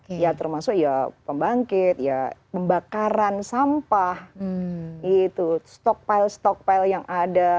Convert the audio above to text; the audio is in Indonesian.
ya termasuk pembangkit pembakaran sampah stokpil stokpil yang ada